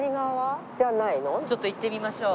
ちょっと行ってみましょう。